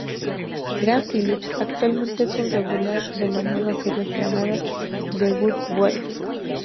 Graham Phillips actualmente es un regular de la nueva serie aclamada, The Good Wife.